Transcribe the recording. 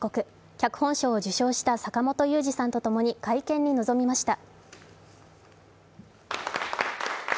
脚本賞を受賞した坂元裕二さんとともに、会見に臨みました。